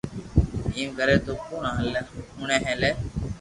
ايم ڪري تو ڪوڻ ھوڻي لي